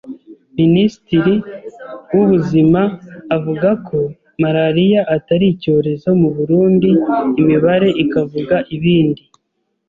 minisitiri w’ubuzima avuga ko Malaria atari icyorezo mu Burundi, imibare ikavuga ibindi